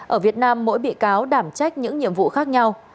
ở việt nam mỗi bị cáo đảm trách những nhiệm vụ khác nhau